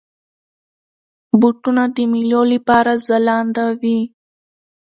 بوټونه د میلو لپاره ځلنده وي.